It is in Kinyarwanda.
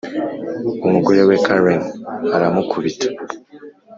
umugore we karen aramukubita